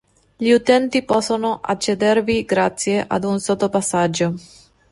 Gli utenti possono accedervi grazie ad un sottopassaggio.